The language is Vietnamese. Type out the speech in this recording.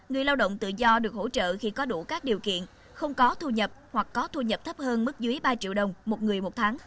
người lao động tự do được hỗ trợ khi có đủ các điều kiện không có thu nhập hoặc có thu nhập thấp hơn mức dưới ba triệu đồng một người một tháng